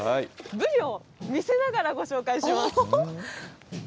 ブリを見せながらご紹介します。